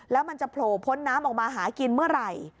แล้วมันจะโผล่พ้นน้ำออกมาหากินเมื่อไหร่